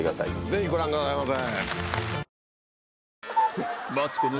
ぜひご覧くださいませ。